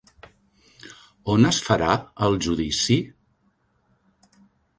On es farà el judici?